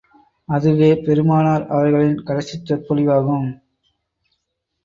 அதுவே பெருமானார் அவர்களின் கடைசிச் சொற்பொழிவாகும்.